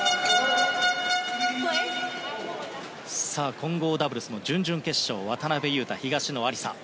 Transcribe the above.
混合ダブルスの準々決勝渡辺勇大・東野有紗。